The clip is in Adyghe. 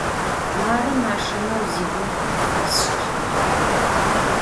Marı maşşineu ziguğu khıpfesş'ığağer.